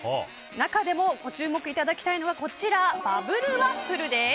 中でも注目いただきたいのがバブルワッフルです。